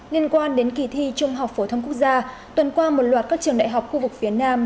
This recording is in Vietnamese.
liên quan đến kỳ thi trung học phổ thông quốc gia tuần qua một loạt các trường đại học khu vực phía nam